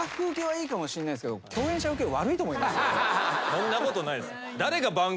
そんなことないです。